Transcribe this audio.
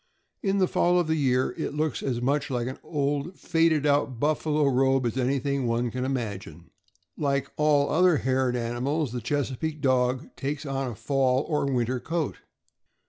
In the fall of the year it looks as much like an old, faded out buffalo robe as anything one can imagine. Like all other haired animals, the Chesa peake Dog takes on a fall or winter coat.